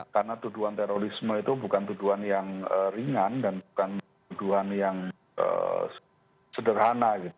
karena tuduhan terorisme itu bukan tuduhan yang ringan dan bukan tuduhan yang sederhana gitu